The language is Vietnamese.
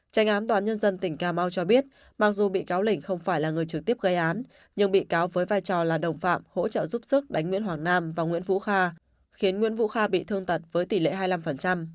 tranh án tòa án nhân dân tỉnh cà mau cho biết mặc dù bị cáo lịnh không phải là người trực tiếp gây án nhưng bị cáo với vai trò là đồng phạm hỗ trợ giúp sức đánh nguyễn hoàng nam và nguyễn vũ kha khiến nguyễn vũ kha bị thương tật với tỷ lệ hai mươi năm